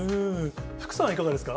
福さんはいかがですか。